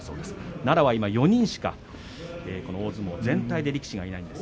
奈良は４人しか今大相撲全体で力士がいません。